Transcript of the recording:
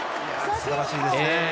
すばらしいですね。